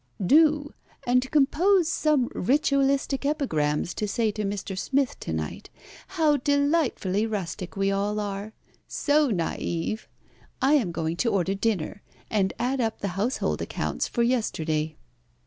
"Do. And compose some Ritualistic epigrams to say to Mr. Smith to night. How delightfully rustic we all are! So naïve! I am going to order dinner, and add up the household accounts for yesterday."